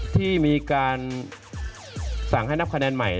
ที่มีการสั่งให้นับคะแนนใหม่